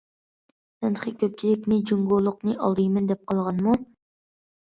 سەن تېخى كۆپچىلىكنى، جۇڭگولۇقنى ئالدايمەن دەپ قالغانمۇ!.